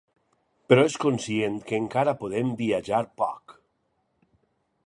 Però és conscient que encara podem viatjar poc.